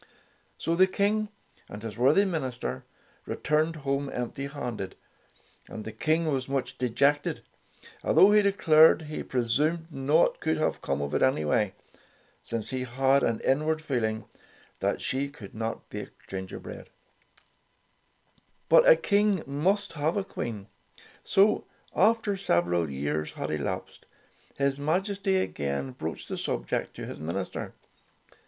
So the King and his worthy minister returned home empty handed, and the King was much dejected, although he declared he presumed naught could have come of it anyway, since he had an inward feeling that she could not bake gingerbread. 30 Tales of Modern Germany But a King must have a Queen. So after several years had elapsed, his Majesty again broached the subject to his minister.